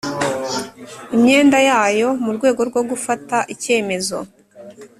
Imyenda yayo mu rwego rwo gufata icyemezo